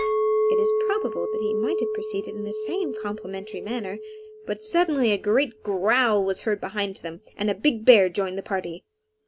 It is probable that he might have proceeded in the same complimentary manner, but suddenly a great growl was heard near by them, and a big bear joined the party.